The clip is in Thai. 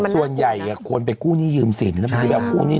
ส่วนใหญ่ควรไปกู้นี่ยืมสินก็ไม่อยากพูดอย่างนี้